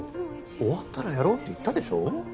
終わったらやろうって言ったでしょ